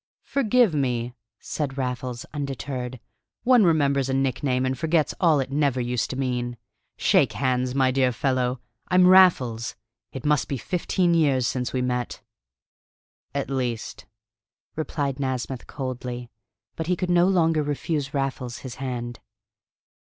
"Forgive me," said Raffles undeterred. "One remembers a nickname and forgets all it never used to mean. Shake hands, my dear fellow! I'm Raffles. It must be fifteen years since we met." "At least," replied Nasmyth coldly; but he could no longer refuse Raffles his hand.